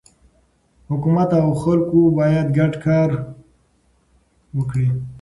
حکومت او خلک باید ګډ کار وکړي.